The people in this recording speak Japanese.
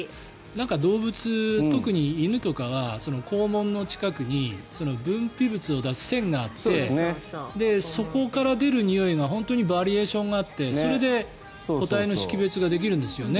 動物、特に犬とかは肛門の近くに分泌物を出す腺があってそこから出るにおいが本当にバリエーションがあってそれで個体の識別ができるんですよね。